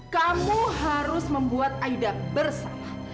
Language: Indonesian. kamu harus membuat aida bersah